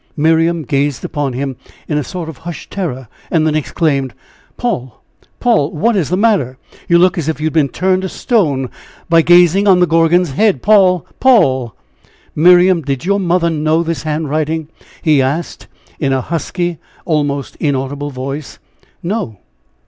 Miriam gazed upon him in a sort of hushed terror then exclaimed: "Paul! Paul! what is the matter? You look as if you had been turned to stone by gazing on the Gorgon's head; Paul! Paul!" "Miriam, did your mother know this handwriting?" he asked, in a husky, almost inaudible voice. "No!"